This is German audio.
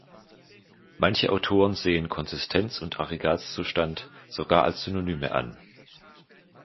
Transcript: Manche Autoren sehen Konsistenz und Aggregatzustand sogar als Synonyme an.